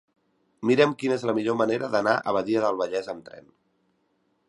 Mira'm quina és la millor manera d'anar a Badia del Vallès amb tren.